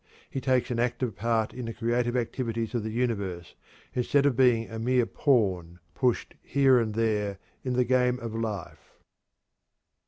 He takes an active part in the creative activities of the universe, instead of being a mere pawn pushed here and there in the game of life.